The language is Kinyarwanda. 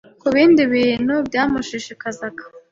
ku bindi bintu byamushishikazaga.